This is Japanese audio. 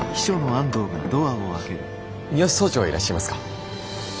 あ三芳総長はいらっしゃいますか？